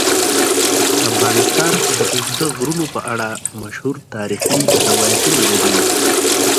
افغانستان د اوږده غرونه په اړه مشهور تاریخی روایتونه لري.